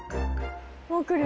もう来る？